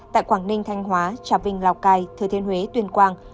tại quảng ninh thanh hóa trà vinh lào cai thừa thiên huế tuyên quang